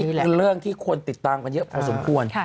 เป็นเรื่องที่คนติดตามกันเยอะพอสมควร